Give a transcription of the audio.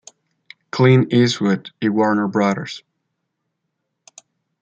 Clint Eastwood y Warner Bros.